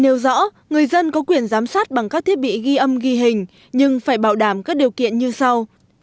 nếu rõ người dân có quyền giám sát bằng các thiết bị ghi âm ghi hình nhưng phải bảo đảm các điều kiện như sau